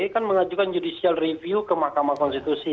kan mengajukan judicial review ke mahkamah konstitusi